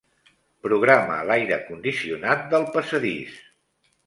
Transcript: Programa l'aire condicionat del passadís.